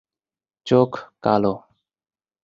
চোখ কালো।